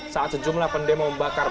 saat sejumlah pendemo membakar